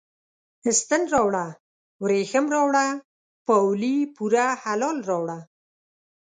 ستن راوړه، وریښم راوړه، پاولي پوره هلال راوړه